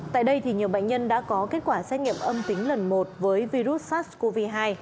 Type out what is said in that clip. tại đây nhiều bệnh nhân đã có kết quả xét nghiệm âm tính lần một với virus sars cov hai